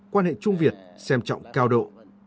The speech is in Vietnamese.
quan hệ trung việt xem trọng cao độ